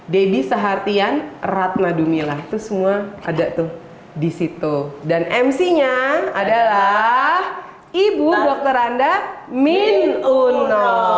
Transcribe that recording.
debbie sehatian ratna dumila itu semua ada tuh disitu dan mc nya adalah ibu dokter anda min uno